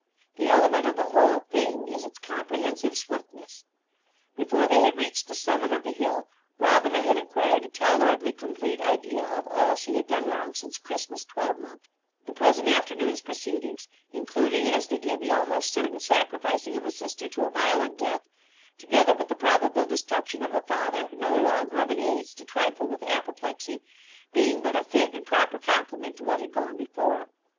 The element of the whole thing is its comprehensive swiftness. Before they had reached the summit of the hill, Robina had acquired a tolerably complete idea of all she had done wrong since Christmas twelvemonth: the present afternoon's proceedings—including as they did the almost certain sacrificing of a sister to a violent death, together with the probable destruction of a father, no longer of an age to trifle with apoplexy—being but a fit and proper complement to what had gone before.